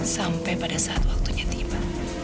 sampai pada saat waktunya tiba